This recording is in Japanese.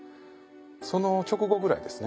その直後ぐらいですね。